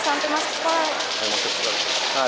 sampai masuk sekolah